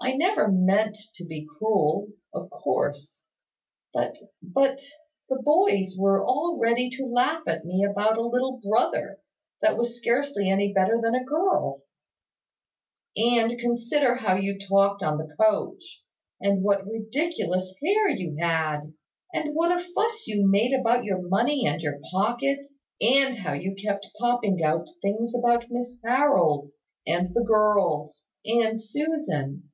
"I never meant to be cruel, of course. But but the boys were all ready to laugh at me about a little brother that was scarcely any better than a girl; and consider how you talked on the coach, and what ridiculous hair you had, and what a fuss you made about your money and your pocket, and how you kept popping out things about Miss Harold, and the girls, and Susan."